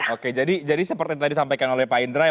oke jadi seperti tadi sampaikan oleh pak indra ya